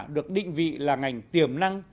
được định vị là ngành tiềm năng